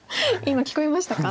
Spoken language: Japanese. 今聞こえましたか？